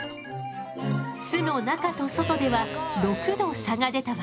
巣の中と外では６度差が出たわ。